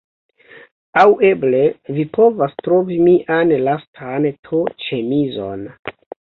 Aŭ eble vi povas trovi mian lastan t-ĉemizon.